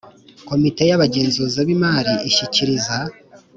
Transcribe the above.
Komite y Abagenzuzi b Imari ishyikiriza